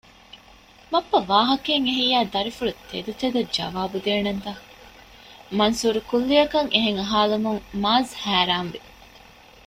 ބައްޕަ ވާހަކައެއް އެހިއްޔާ ދަރިފުޅު ތެދުތެދަށް ޖަވާބު ދޭނަންތަ؟ މަންސޫރު ކުއްލިއަކަށް އެހެން އަހާލުމުން މާޒް ހައިރާންވި